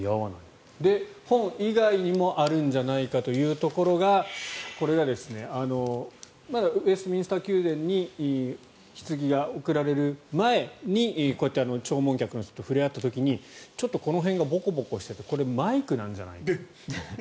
本以外にもあるんじゃないかというところがこれがまだウェストミンスター宮殿にひつぎが送られる前にこうやって弔問客の人と触れ合った時にちょっとこの辺がボコボコしててこれ、マイクなんじゃないかと。